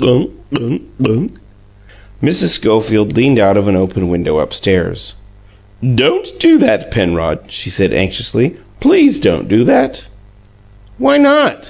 "Gunk gunk gunk gunk!" Mrs. Schofield leaned out of an open window upstairs. "Don't do that, Penrod," she said anxiously. "Please don't do that." "Why not?"